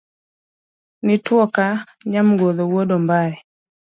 Nituo ka nyamgodho wuod ombare